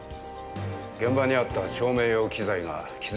現場にあった照明用機材が傷口と一致。